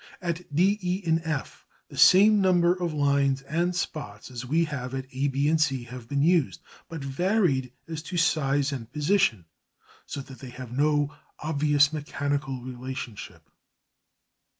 At D, E, F the same number of lines and spots as we have at A, B, C have been used, but varied as to size and position, so that they have no obvious mechanical relationship.